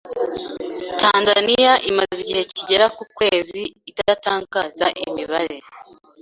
Tanzania imaze igihe kigera ku kwezi idatangaza imibare